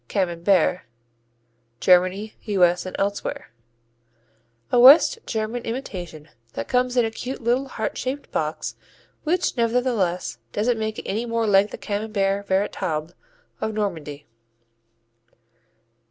"Camembert" Germany, U.S. & elsewhere A West German imitation that comes in a cute little heart shaped box which nevertheless doesn't make it any more like the Camembert véritable of Normandy.